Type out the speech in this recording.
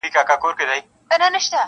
نه په پلونو نه په ږغ د چا پوهېږم-